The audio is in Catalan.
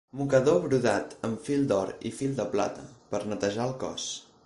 Mocador brodat amb fil d'or i fil de plata, per netejar el cos.